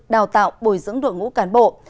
đào tạo bồi dưỡng đội ngũ cán bộ